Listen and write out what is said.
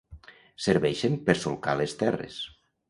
Serveixen per solcar les terres.